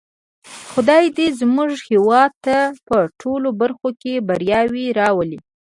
خدای دې زموږ هېواد ته په ټولو برخو کې بریاوې راولی.